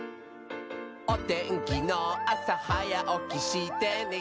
「おてんきのあさはやおきしてね」